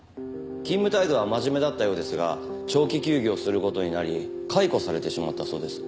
勤務態度は真面目だったようですが長期休業する事になり解雇されてしまったそうです。